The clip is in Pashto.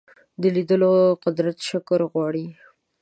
د لیدلو قدرت شکر غواړي